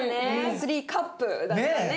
３カップだったね。